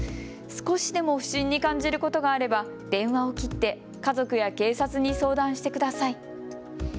少しでも不審に感じることがあれば電話を切って家族や警察に相談してください。